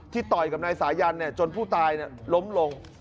ที่ต่อยกับนายสายันเนี่ยจนผู้ตายล้มลง